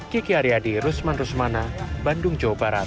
kiki aryadi rusman rusmana bandung jawa barat